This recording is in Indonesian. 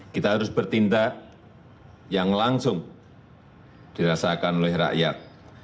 kita harus bertindak yang langsung dirasakan oleh rakyat